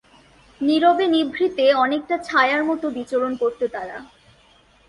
নীরবে-নিভৃতে অনেকটা ছায়ার মতো বিচরণ করত তারা।